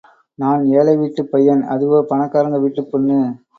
நான் ஏழை வீட்டுப் பையன் அதுவோ பணக்கராங்க வீட்டுப் பொண்ணு!